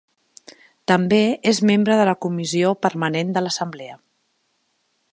També és membre de la Comissió Permanent de l'Assemblea.